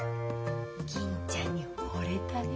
銀ちゃんにほれたね。